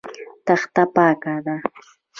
تخته پاکه ده.